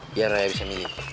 biar raya bisa milih